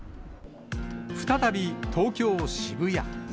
再び東京・渋谷。